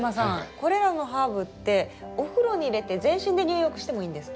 これらのハーブってお風呂に入れて全身で入浴してもいいんですか？